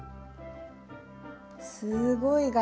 すごい柄。